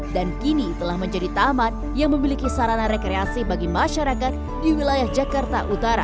dan kini telah menjadi tamat yang memiliki sarana rekreasi bagi masyarakat di wilayah jakarta utara